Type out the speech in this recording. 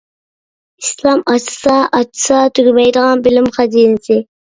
ئىسلام ئاچسا ئاچسا تۈگىمەيدىغان بىلىم خەزىنىسى.